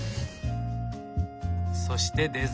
そしてデザート。